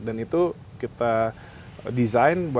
dan itu kita design